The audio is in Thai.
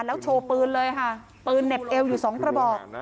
แล้วโชว์ปืนเลยค่ะปืนเหน็บเอวอยู่สองกระบอก